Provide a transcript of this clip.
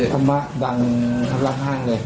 ธรรมะดังทับห้างเลย